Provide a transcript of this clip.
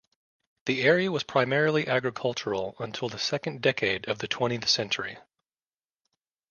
The area was primarily agricultural until the second decade of the twentieth century.